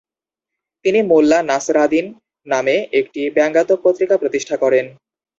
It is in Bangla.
তিনি মোল্লা নাসরাদিন নামে একটি ব্যঙ্গাত্মক পত্রিকা প্রতিষ্ঠা করেন।